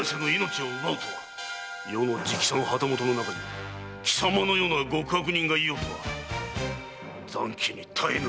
余の直参旗本の中に貴様のような極悪人がいようとは慚愧に堪えぬ！